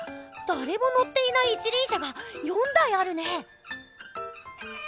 だれものっていない一りん車が４だいあるね。